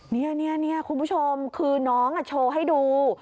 นี่คุณผู้ชมคือน้องโชว์ให้ดู